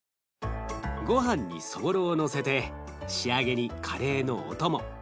ごはんにそぼろをのせて仕上げにカレーのお供